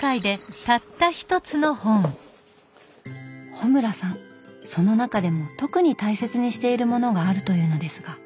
穂村さんその中でも特に大切にしているものがあるというのですが。